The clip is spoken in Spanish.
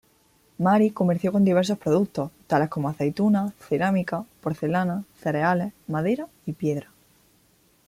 Mari comerció con diversos productos, tales como aceitunas, cerámica, porcelana, cereales, madera y piedra.